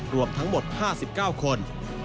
รวมทั้งหมด๕๙คน